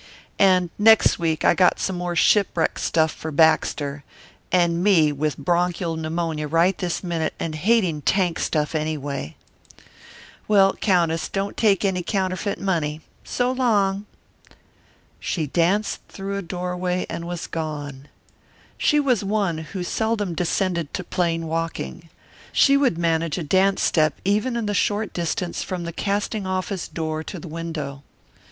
And next week I got some shipwreck stuff for Baxter, and me with bronchial pneumonia right this minute, and hating tank stuff, anyway. Well, Countess, don't take any counterfeit money. So long." She danced through a doorway and was gone she was one who seldom descended to plain walking. She would manage a dance step even in the short distance from the casting office door to the window.